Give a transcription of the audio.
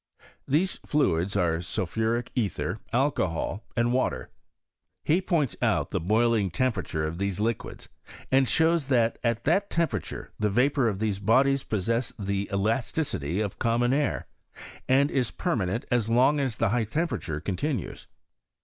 These fluids arft sulphuric ether, alcohol, and water. He points out the boiling temperature of these liquids, and shows that at that temperature the vapour of these bodies possesses the elasticity of common air, and is per' maneut as long as the high temperature continues.